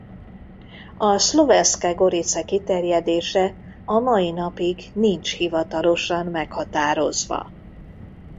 A Slovenske gorice kiterjedése a mai napig nincs hivatalosan meghatározva.